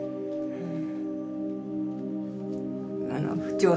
うん。